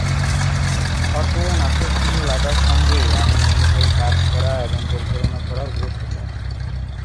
অধ্যয়ন আকর্ষণীয় লাগার সঙ্গেই, আমি মনে করি কাজ করা এবং পরিচালনা করাও গুরুত্বপূর্ণ।